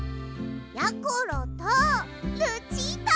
やころとルチータ！